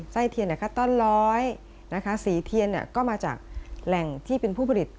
เทียนต้อนร้อยนะคะสีเทียนก็มาจากแหล่งที่เป็นผู้ผลิต